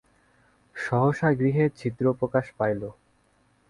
সহসা গৃহে ছিদ্র প্রকাশ পাইল।